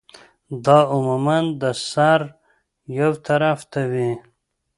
دا عموماً د سر يو طرف ته وی